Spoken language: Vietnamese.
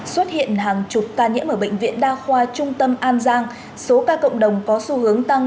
xuất hiện hàng chục ca nhiễm ở bệnh viện đa khoa trung tâm an giang số ca cộng đồng có xu hướng tăng